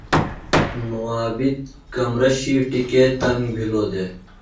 ݨ عابد کمرہ شِیٹیۡ کے تنگ بِھلوۡ دےۡ؟